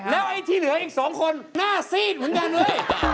แล้วไอ้ที่เหลืออีก๒คนหน้าซีดเหมือนกันเว้ย